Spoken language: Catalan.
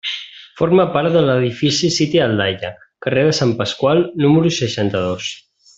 Forma part de l'edifici siti a Aldaia, carrer de Sant Pasqual, número seixanta-dos.